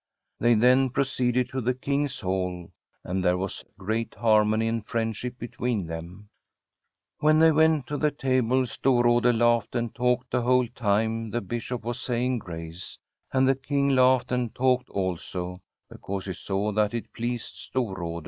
They then proceeded to the King's Hall, and there was cjeat harmony and friendship between them. When they went to table Storrade laughed and talked the whole time the Bishop was saying grace, and the King laughed and talked also, because he saw that it pleased Stor rade.